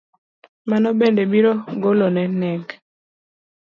Mano bende biro goloneg